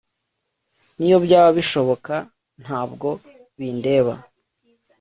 niyo byaba bishoboka ntabwo bindeba